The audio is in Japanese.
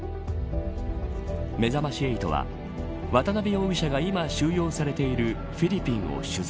めざまし８は渡辺容疑者が今、収容されているフィリピンを取材。